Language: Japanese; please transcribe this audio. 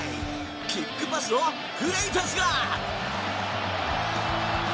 キックパスをフレイタスが。